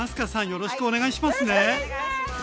よろしくお願いします。